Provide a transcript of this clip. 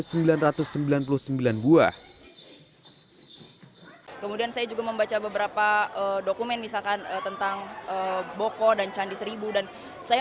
kemudian saya juga membaca beberapa dokumen misalkan tentang boko dan candi seribu dan saya